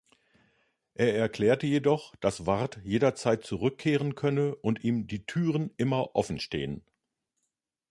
Er erklärte jedoch, dass Ward jederzeit zurückkehren könne und ihm „die Türen immer offenstehen“.